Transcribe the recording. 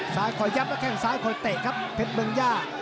ซ้ายคอยยับแล้วแข้งซ้ายคอยเตะครับเพชรเมืองย่า